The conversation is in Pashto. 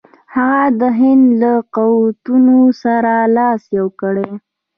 هغه د هند له قوتونو سره لاس یو کړي.